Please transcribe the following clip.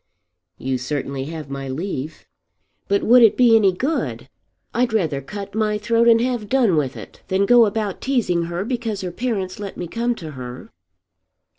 "You certainly have my leave." "But would it be any good? I'd rather cut my throat and have done with it than go about teasing her because her parents let me come to her."